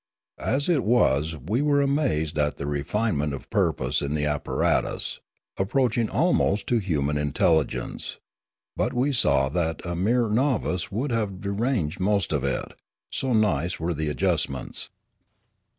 As it was we were amazed at the refine ment of purpose in the apparatus, approaching almost to human intelligence; but we saw that a mere novice would have deranged most of it, so nice were the ad justments.